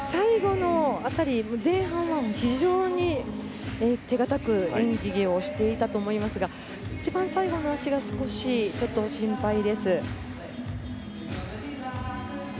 前半は非常に手堅く演技をしていたと思いますが一番最後の脚が少し心配です。